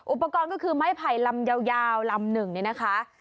อุปกรณ์ก็คือไม้ไผ่ลำยาวลำหนึ่งเนี่ยนะคะ